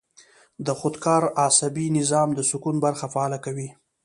د خودکار اعصابي نظام د سکون برخه فعاله کوي -